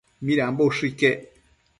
Midambo ushë iquec